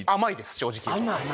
正直言うと。